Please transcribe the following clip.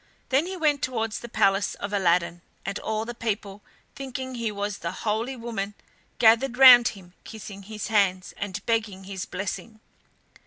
Then he went towards the palace of Aladdin, and all the people, thinking he was the holy woman, gathered round him, kissing his hands and begging his blessing.